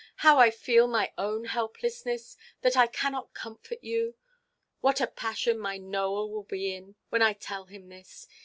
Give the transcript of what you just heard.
How I feel my own helplessness that I cannot comfort you! What a passion my Nowell will be in, when I tell him this!